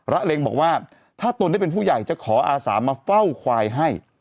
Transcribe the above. เล็งบอกว่าถ้าตนได้เป็นผู้ใหญ่จะขออาสามาเฝ้าควายให้